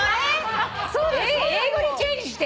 英語にチェンジして？